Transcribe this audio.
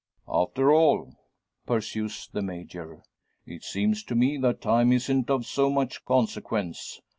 "After all," pursues the Major, "it seems to me that time isn't of so much consequence.